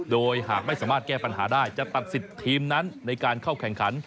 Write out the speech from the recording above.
โดยหากไม่สามารถแก้ปัญหาได้จะตัดสิทธิ์ทีมนั้นในการเข้าแข่งขัน